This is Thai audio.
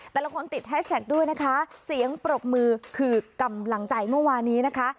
แต่ละคนติดแฮชแท็กด้วยนะคะเสียงปรบมือคือกำลังใจเมื่อวานี้นะคะ